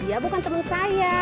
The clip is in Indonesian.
ya bukan temen saya